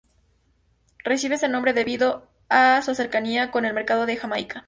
Recibe ese nombre debido a su cercanía con el Mercado de Jamaica.